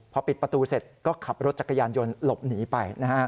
พอปิดประตูเสร็จก็ขับรถจักรยานยนต์หลบหนีไปนะฮะ